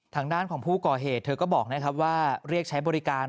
ทางด้านของผู้ก่อเหตุเธอก็บอกนะครับว่าเรียกใช้บริการ